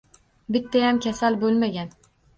Bittayam kasal bo‘lmagan.